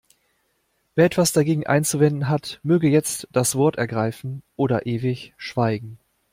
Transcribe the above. Wer etwas dagegen einzuwenden hat, möge jetzt das Wort ergreifen oder ewig schweigen.